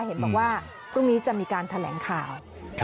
เห็นบอกว่าพรุ่งนี้จะมีการแถลงข่าว